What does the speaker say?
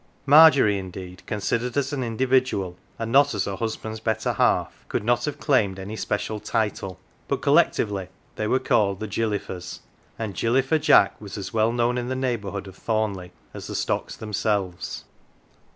Margery, indeed, considered as an individual and not as her husband's better half, could not have claimed any special title, but collectively they were called "The Gilly fers," and " Gilly fer Jack " was as well known in the neighbourhood of Thornleigh as the stocks themselves.